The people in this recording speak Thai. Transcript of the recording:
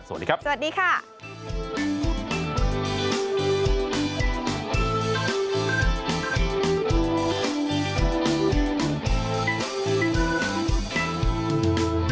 สวัสดีครับ